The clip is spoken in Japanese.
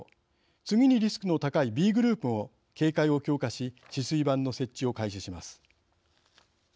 次にリスクの高いＢグループも警戒を強化し止水板の設置を開始します。